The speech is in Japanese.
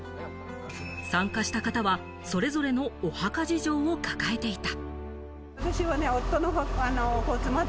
参加した方はそれぞれのお墓事情を抱えていた。